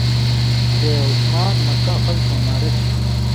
چےۡ عُثمانؓ مکاں خلکؤں مارہ چھی۔